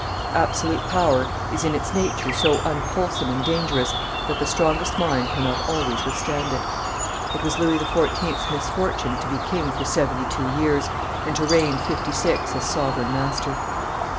Absolute power is in its nature so unwholesome and dangerous that the strongest mind cannot always withstand it. It was Louis XIV.'s misfortune to be king for seventy two years, and to reign fifty six as sovereign master.